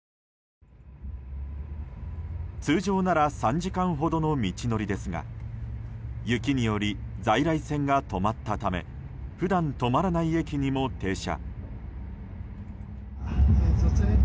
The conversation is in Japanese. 通常なら３時間ほどの道のりですが雪により在来線が止まったため普段止まらない駅にも停車。